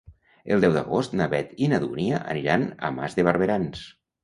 El deu d'agost na Beth i na Dúnia aniran a Mas de Barberans.